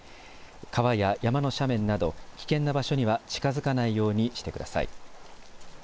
川や山の斜面など危険な場所には近づかないようにしてください。